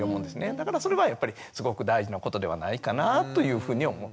だからそれはやっぱりすごく大事なことではないかなというふうに思う。